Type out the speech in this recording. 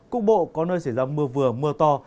cục bộ có nơi xảy ra mưa vừa mưa to